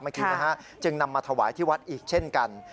เมื่อกี้นะฮะจึงนำมาถวายที่วัดอีกเช่นกัน